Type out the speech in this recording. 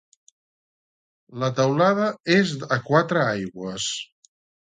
La teulada és a quatre aigües.